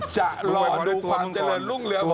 จ้ะรอดูความเจริญรุ่งเหลือบอกป่าว